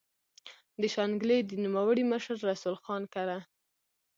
د شانګلې د نوموړي مشر رسول خان کره